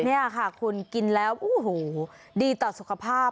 นี่ค่ะคุณกินแล้วโอ้โหดีต่อสุขภาพ